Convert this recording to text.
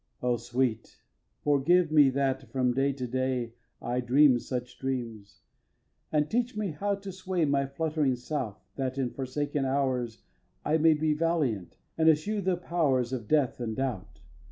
xv. O Sweet! forgive me that from day to day I dream such dreams, and teach me how to sway My fluttering self, that, in forsaken hours, I may be valiant, and eschew the powers Of death and doubt!